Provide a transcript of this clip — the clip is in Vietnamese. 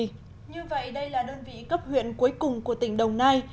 như vậy đây là đơn vị cấp huyện cuối cùng của tỉnh đồng nai